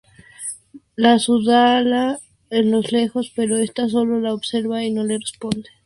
La saluda a lo lejos, pero esta solo la observa y no le responde.